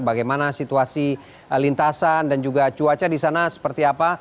bagaimana situasi lintasan dan juga cuaca di sana seperti apa